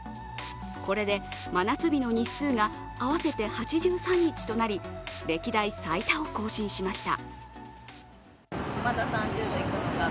これで真夏日の日数が合わせて８３日となり歴代最多を更新しました。